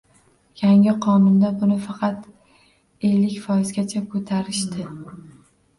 Yangi qonunda buni faqat ellik foizgacha ko‘tarishdi.